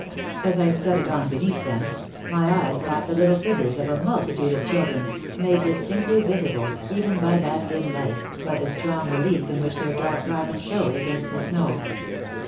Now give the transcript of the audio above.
As I scudded on beneath them, my eye caught the little figures of a multitude of children, made dis tinctly visible, even by that dim light, by the strong relief in which their dark garments showed themselves against the snow.